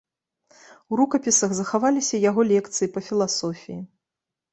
У рукапісах захаваліся яго лекцыі па філасофіі.